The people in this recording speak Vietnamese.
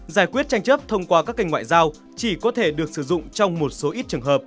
giải quyết tranh chấp thông qua các kênh ngoại giao chỉ có thể được sử dụng trong một số ít trường hợp